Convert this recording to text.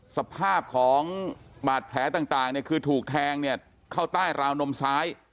สภาพของบาดแผลต่างคือถูกแทงเข้าใต้ราวนมซ้าย